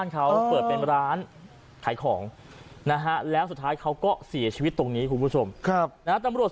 ครับแสดงว่า